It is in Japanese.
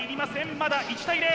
まだ１対０。